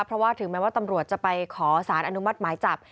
เพราะว่าถึงแม้ว่าตำรวจจะไปขอสารอนุมัติหมายจับ